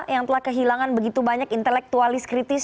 yang telah kehilangan begitu banyak intelektualis kritis